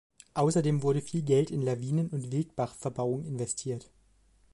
Außerdem wurde viel Geld in Lawinen- und Wildbachverbauung investiert.